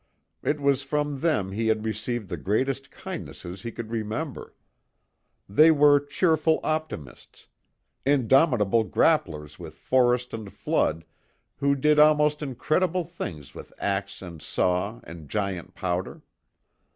It was from them he had received the greatest kindnesses he could remember. They were cheerful optimists; indomitable grapplers with forest and flood, who did almost incredible things with axe and saw and giant powder.